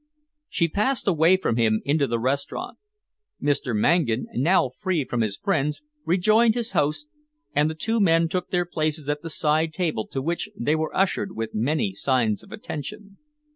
She passed away from him into the restaurant. Mr. Mangan, now freed from his friends, rejoined his host, and the two men took their places at the side table to which they were ushered with many signs of attention.